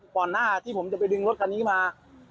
ก่อนหน้าที่ผมจะไปดึงรถคันนี้มา